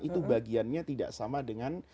itu bagiannya tidak sama dengan